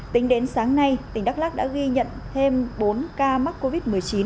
tính đến sáng nay tỉnh đắk lắc đã ghi nhận thêm bốn ca mắc covid một mươi chín